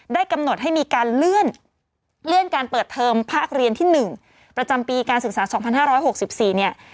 กำหนดให้มีการเลื่อนการเปิดเทอมภาคเรียนที่๑ประจำปีการศึกษา๒๕๖๔เนี่ย